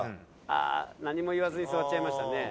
ああ何も言わずに座っちゃいましたね。